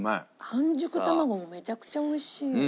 半熟卵もめちゃくちゃおいしい。